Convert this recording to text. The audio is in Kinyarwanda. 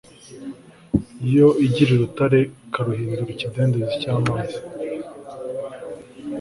yo igira urutare ikaruhindura ikidendezi cy'amazi